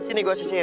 sini gue sisir